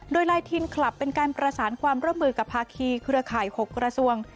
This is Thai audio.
โดยลายทินคลับเป็นการประสานความร่วมมือกับภาคีเครือข่าย๖กระทรวง